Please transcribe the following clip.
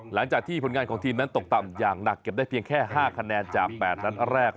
หลังจากที่ผลงานของทีมนั้นตกต่ำอย่างหนักเก็บได้เพียงแค่๕คะแนนจาก๘นัดแรก